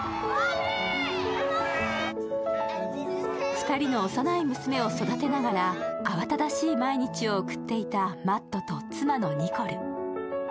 ２人の幼い娘を育てながら慌ただしい毎日を送っていたマットと妻のニコル。